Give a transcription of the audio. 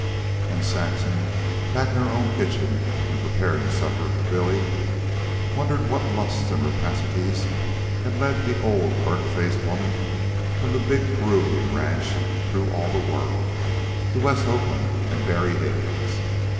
And Saxon, back in her own kitchen and preparing supper for Billy, wondered what lusts and rapacities had led the old, burnt faced woman from the big Peruvian ranch, through all the world, to West Oakland and Barry Higgins.